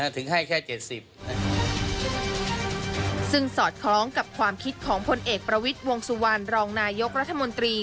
ซึ่งสอดคล้องกับความคิดของผลเอกประวิทย์วงศุวรรณรองนายกรัฐมนตรี